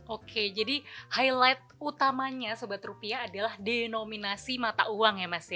oke jadi highlight utamanya sebab rupiah adalah denominasi mata uang ya mas ya